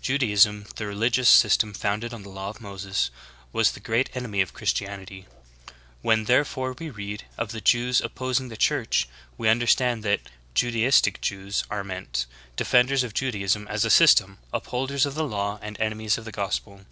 Judaism, the religious system founded on the law of Moses, w^as the groat enemy of Christianity. When therefore we read of the Jews op posing the Church, we understand that Judaistic Jews are meant — defenders of Judaism as a system, upholders of the law and enemies of the gospel.